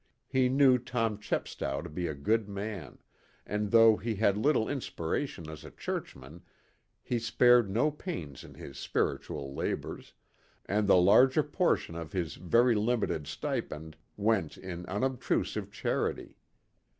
He knew Tom Chepstow to be a good man, and though he had little inspiration as a churchman, he spared no pains in his spiritual labors, and the larger portion of his very limited stipend went in unobtrusive charity.